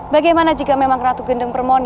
bagaimana jika memang ratu gendeng permoni